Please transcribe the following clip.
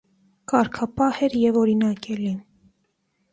Կարգապահ էր և օրինակելի։